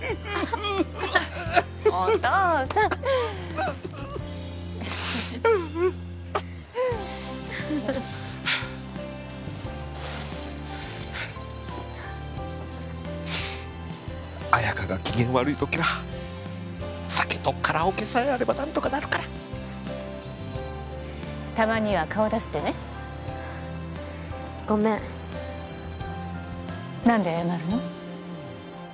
お父さん綾華が機嫌悪い時は酒とカラオケさえあれば何とかなるからたまには顔出してねごめん何で謝るの？